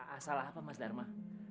asal apa mas dharma